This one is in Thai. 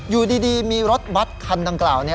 อยู่ดีมีรถบัตรคันดังกล่าว